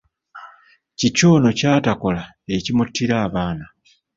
Kiki ono kyatakola ekimuttira abaana?